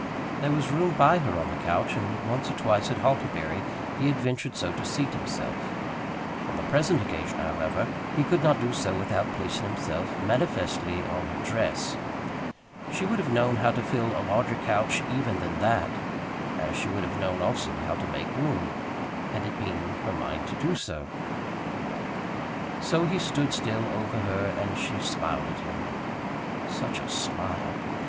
There was room by her on the couch, and once or twice, at Hartlebury, he had ventured so to seat himself. On the present occasion, however, he could not do so without placing himself manifestly on her dress. She would have known how to fill a larger couch even than that, as she would have known, also, how to make room, had it been her mind to do so. So he stood still over her, and she smiled at him. Such a smile!